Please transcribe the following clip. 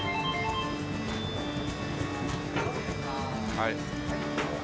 はい。